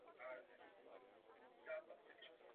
Její těhotenství postupuje velmi rychle a silně ji oslabuje.